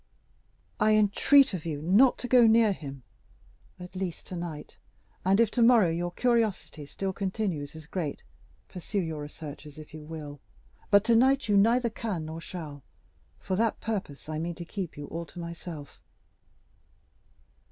I entreat of you not to go near him—at least tonight; and if tomorrow your curiosity still continues as great, pursue your researches if you will; but tonight you neither can nor shall. For that purpose I mean to keep you all to myself."